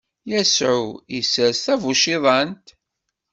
Yasuɛ isers tabuciḍant.